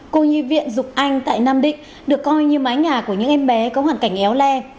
cô nhi viện anh tại nam định được coi như mái nhà của những em bé có hoàn cảnh éo le